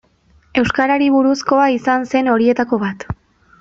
Euskarari buruzkoa izan zen horietako bat.